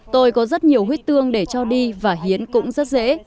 tôi có rất nhiều huyết tương để cho đi và hiến cũng rất dễ